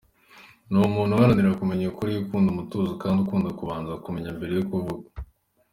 Ni umuntu uharanira kumenya ukuri, ukunda umutuzo kandi ukunda kubanza kumenya mbere yo kuvuga.